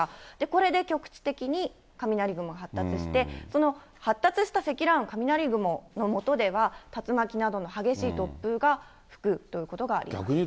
これで局地的に雷雲が発生して、その発達した積乱雲、雷雲の下では、竜巻などの激しい突風が吹くということがあります。